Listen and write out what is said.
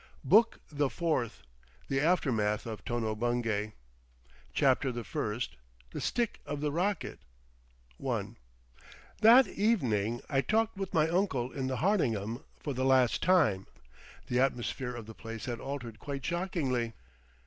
BOOK THE FOURTH THE AFTERMATH OF TONO BUNGAY CHAPTER THE FIRST THE STICK OF THE ROCKET I That evening I talked with my uncle in the Hardingham for the last time. The atmosphere of the place had altered quite shockingly.